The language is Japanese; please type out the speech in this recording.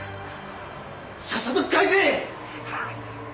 さっさと返せ！